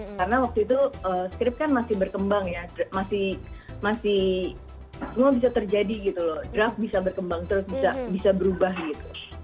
karena waktu itu script kan masih berkembang ya masih masih semua bisa terjadi gitu loh draft bisa berkembang terus bisa berubah gitu